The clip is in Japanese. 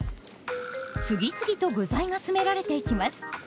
次々と具材が詰められていきます。